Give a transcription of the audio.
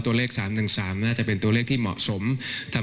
ตัวเลขสามหนึ่งสามน่าจะเป็นตัวเลขที่เหมาะสม